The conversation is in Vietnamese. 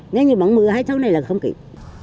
nếu như vẫn mưa hay tháng này là không kịp